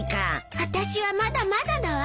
あたしはまだまだだわ。